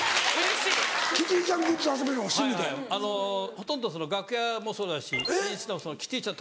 ほとんど楽屋もそうだしキティちゃん